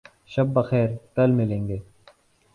شب بخیر. کل ملیں گے